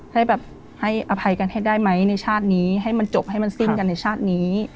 ให้แบบให้อภัยกันให้ได้ไหมในชาตินี้ให้มันจบให้มันสิ้นกันในชาตินี้